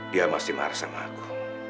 dia masih marah sama aku